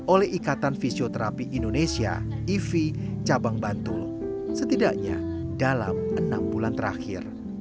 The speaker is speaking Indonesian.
oleh ikatan fisioterapi indonesia ivi cabang bantul setidaknya dalam enam bulan terakhir